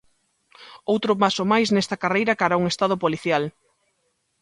Outro paso máis nesta carreira cara a un Estado policial.